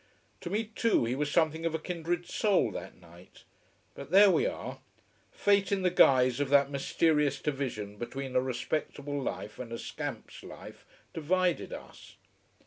To me, too, he was something of a kindred soul that night. But there we are: fate, in the guise of that mysterious division between a respectable life and a scamp's life divided us.